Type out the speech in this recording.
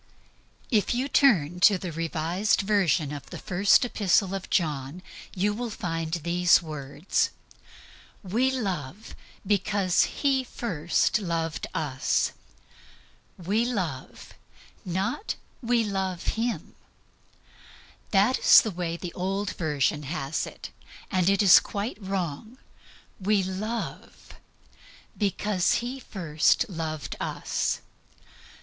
If you turn to the Revised Version of the First Epistle of John you find these words: "We love because He first loved us." "We love," not "We love Him." That is the way the old version has it, and it is quite wrong. "We love because He first loved us."